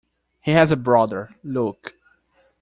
He has a brother, Luke.